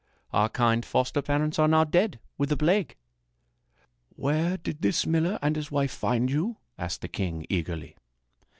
"Our kind foster parents are now dead with the plague." "Where did this miller and his wife find you?" asked the king eagerly.